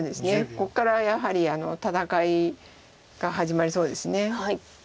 ここからやはり戦いが始まりそうです。